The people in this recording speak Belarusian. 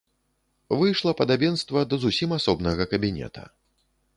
Выйшла падабенства да зусім асобнага кабінета.